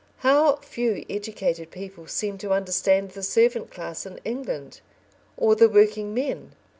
How few educated people seem to understand the servant class in England, or the working men!